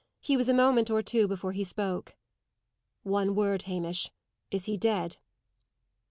He was a moment or two before he spoke. "One word, Hamish; is he dead?"